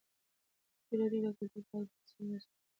ازادي راډیو د کلتور په اړه د پرانیستو بحثونو کوربه وه.